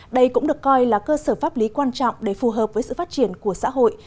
đây cũng được coi là cơ sở pháp lý quan trọng để phù hợp với sự phát triển của xã hội